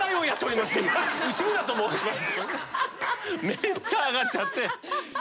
めっちゃ上がっちゃって。